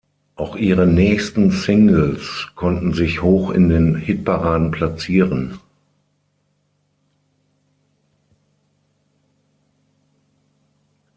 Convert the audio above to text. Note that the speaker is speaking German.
Auch ihre nächsten Singles konnten sich hoch in den Hitparaden platzieren.